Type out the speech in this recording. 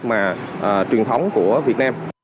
mà truyền thống của việt nam